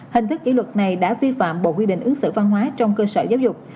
hình thức kỷ luật này đã vi phạm bộ quy định ứng xử văn hóa trong cơ sở giáo dục